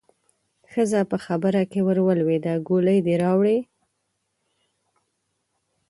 ښځه په خبره کې ورولوېده: ګولۍ دې راوړې؟